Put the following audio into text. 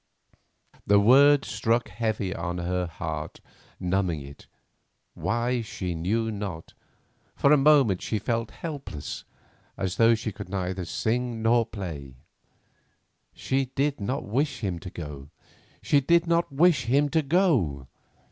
The words struck heavy on her heart, numbing it—why, she knew not. For a moment she felt helpless, as though she could neither sing nor play. She did not wish him to go; she did not wish him to go.